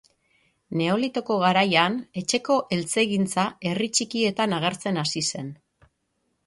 Neolitoko garaian, etxeko eltzegintza herri txikietan agertzen hasi zen